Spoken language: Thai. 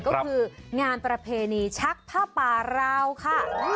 ก็คืองานประเพณีชักผ้าป่าราวค่ะ